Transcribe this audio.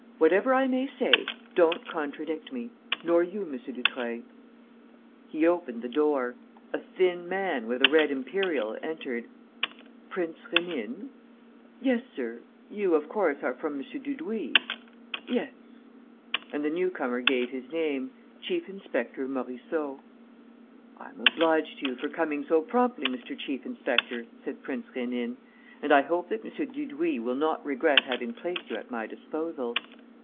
Whatever I may say, don't contradict me. Nor you, M. Dutreuil." He opened the door. A thin man, with a red imperial, entered: "Prince Rénine?" "Yes, sir. You, of course, are from M. Dudouis?" "Yes." And the newcomer gave his name: "Chief inspector Morisseau." "I am obliged to you for coming so promptly, Mr. Chief inspector," said Prince Rénine, "and I hope that M. Dudouis will not regret having placed you at my disposal."